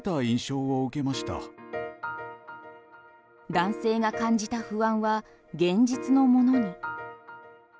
男性が感じた不安は現実のものに。